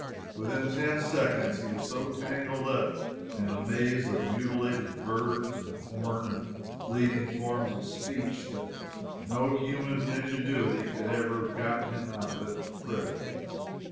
Within ten seconds he was so tangled up in a maze of mutilated verbs and torn and bleeding forms of speech that no human ingenuity could ever have gotten him out of it with credit.